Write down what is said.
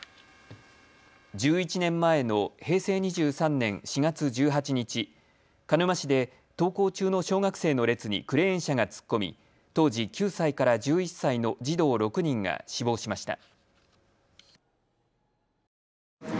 １１年前の平成２３年４月１８日、鹿沼市で登校中の小学生の列にクレーン車が突っ込み当時９歳から１１歳の児童６人が死亡しました。